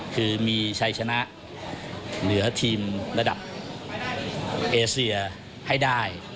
คือมีชัยชนะเหลือทีมระดับเอเซียให้ได้